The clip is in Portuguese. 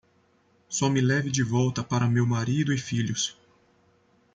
Só me leve de volta para meu marido e filhos.